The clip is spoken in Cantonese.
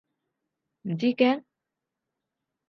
唔知驚？